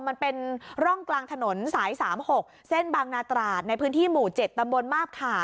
มันเป็นร่องกลางถนนสาย๓๖เส้นบางนาตราดในพื้นที่หมู่๗ตำบลมาบขา